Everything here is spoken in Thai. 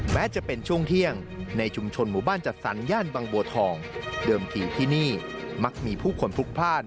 แม้จะเป็นช่วงเที่ยงในชุมชนหมู่บ้านจัดสรรย่านบางบัวทองเดิมทีที่นี่มักมีผู้คนพลุกพลาด